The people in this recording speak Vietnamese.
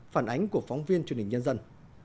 phản ánh của phóng viên truyền hình nhân dân